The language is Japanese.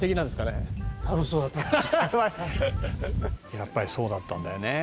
「やっぱりそうだったんだよね」